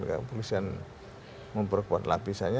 kepolisian memperkuat lapisannya